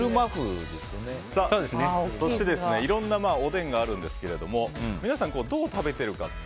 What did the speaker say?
そしていろんなおでんがあるんですが皆さん、どう食べているか。